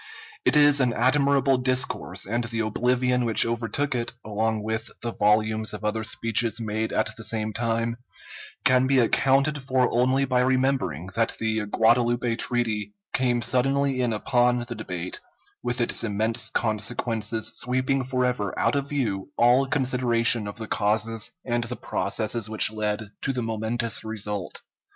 It is an admirable discourse, and the oblivion which overtook it, along with the volumes of other speeches made at the same time, can be accounted for only by remembering that the Guadalupe Treaty came suddenly in upon the debate, with its immense consequences sweeping forever out of view all consideration of the causes and the processes which led to the momentous result.